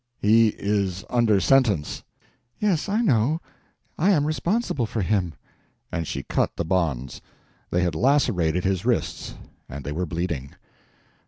"He is under sentence!" "Yes, I know. I am responsible for him"; and she cut the bonds. They had lacerated his wrists, and they were bleeding.